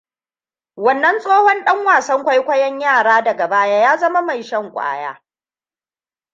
Wannan tsohon ɗan wasan kwaikwayon yara daga baya ya zama mai shan kwaya.